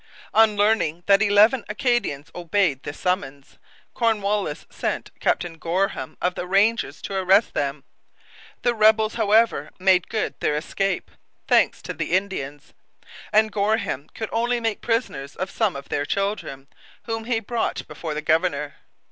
On learning that eleven Acadians obeyed this summons, Cornwallis sent Captain Goreham of the Rangers to arrest them. The rebels, however, made good their escape, thanks to the Indians; and Goreham could only make prisoners of some of their children, whom he brought before the governor.